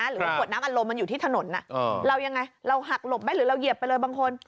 หรือหักหลบหรือเหยียบไปบางคน